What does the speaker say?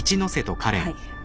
はい。